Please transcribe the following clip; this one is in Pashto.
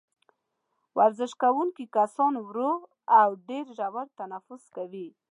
ورزش کوونکي کسان ورو او ډېر ژور تنفس کوي.